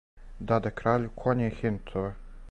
Даде краљу коње и хинтове,